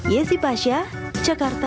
yesi pasha jakarta